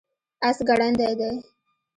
اس ګړندی دی